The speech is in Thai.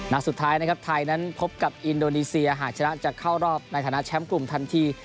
นัดสุดท้ายนะครับไทยนั้นพบกับอินโดนีเซียหากชนะจะเข้ารอบในฐานะแชมป์กลุ่มทันที